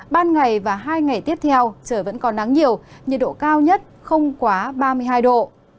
ban ngày và hai ngày tiếp theo trời vẫn còn nắng nhiều nhiệt độ cao nhất không quá ba mươi hai độ